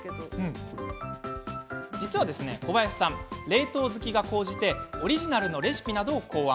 実は小林さん、冷凍好きが高じてオリジナルのレシピなどを考案。